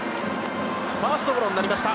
ファーストゴロになりました。